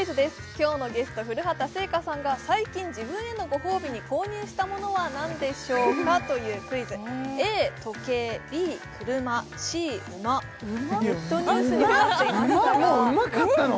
今日のゲスト古畑星夏さんが最近自分へのご褒美に購入したものは何でしょうか？というクイズネットニュースにもなっていましたが馬買ったの？